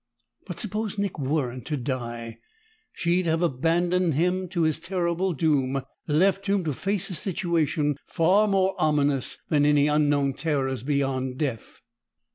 But suppose Nick weren't to die she'd have abandoned him to his terrible doom, left him to face a situation far more ominous than any unknown terrors beyond death.